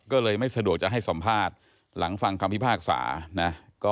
ก็เลยไม่สะดวกจะให้สัมภาษณ์หลังฟังคำพิพากษานะ